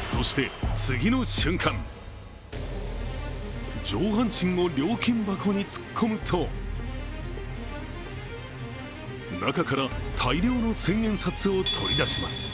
そして次の瞬間上半身を料金箱に突っ込むと中から大量の千円札を取り出します。